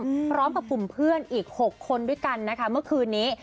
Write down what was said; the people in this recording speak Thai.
พร้อมกับกลุ่มเพื่อนอีกหกคนด้วยกันนะคะเมื่อคืนนี้